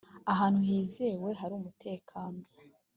ahantu hizewe hari umutekano